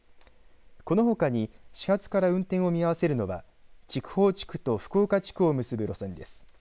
このほかに始発から運転を見合わせるのは筑豊地区と福岡地区を結ぶ路線です。